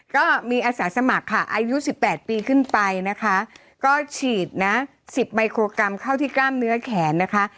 ก็มีอาสาสมัครค่ะอายุสิบแปดปีขึ้นไปนะคะก็ฉีดนะ๑๐ไมโครกรัมเข้าที่กล้ามเนื้อแขนนะคะ